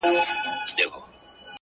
اوس چي زه ليري بل وطن كي يمه.